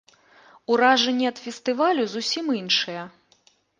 Уражанні ад фестывалю зусім іншыя.